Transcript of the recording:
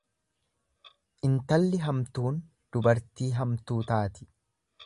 Intalli hamtuun dubartii hamtuu taati.